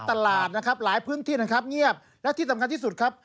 ตลาดนะครับหลายพื้นที่นะครับเงียบและที่สำคัญที่สุดครับ